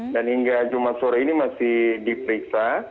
dan hingga jumat sore ini masih diperiksa